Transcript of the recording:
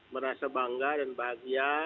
merasa bangga dan bahagia